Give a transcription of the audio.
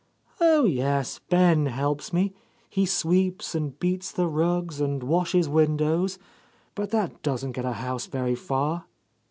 Oh, yes, Ben helps me; he sweeps and beats the rugs and washes windows, but that doesn't get a house very far."